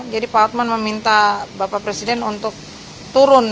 pak atman meminta bapak presiden untuk turun